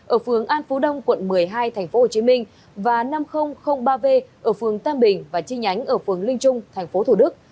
ở phương an phú đông quận một mươi hai tp hcm và năm nghìn ba v ở phương tam bình và chi nhánh ở phương linh trung tp thủ đức